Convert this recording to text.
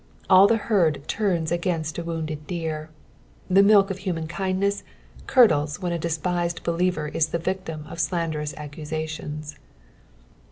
All the herd turn against a wounded deer. The milk of human kindness curdlea when a despised believer is the victim of slanderous accusations.